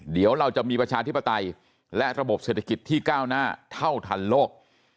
เดี๋ยวเราจะมีประชาธิปไตยและระบบเศรษฐกิจที่ก้าวหน้าเท่าทันโลก